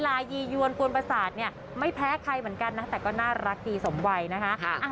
ลายียวนกวนประสาทเนี่ยไม่แพ้ใครเหมือนกันนะแต่ก็น่ารักดีสมวัยนะคะ